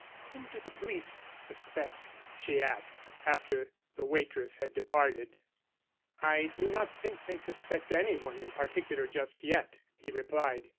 "Whom do the police suspect?" she asked, after the waitress had departed. "I do not think they suspect any one in particular just yet," he replied.